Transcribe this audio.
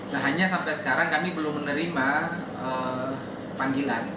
nah hanya sampai sekarang kami belum menerima panggilan